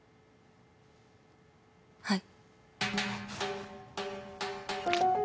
はい。